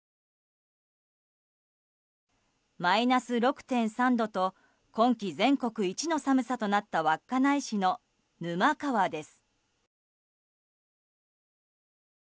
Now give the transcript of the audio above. マイナス６．３度と今季全国一の寒さとなった稚内市の沼川です。